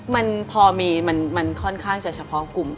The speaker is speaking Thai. มันพอมีมันค่อนข้างจะเฉพาะกลุ่ม